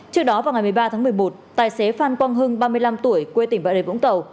trước đó vào ngày một mươi ba tháng một mươi một tài xế phan quang hưng ba mươi năm tuổi quê tỉnh bà rệ vũng tàu